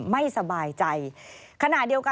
ไม่สบายใจ